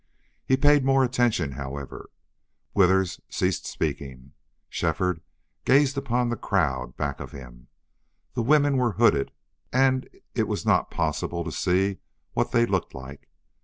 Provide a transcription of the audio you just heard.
He paid more attention; however, Withers ceased speaking. Shefford gazed upon the crowd back of him. The women were hooded and it was not possible to see what they looked like.